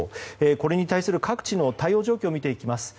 これに対する各地の対応状況を見ていきます。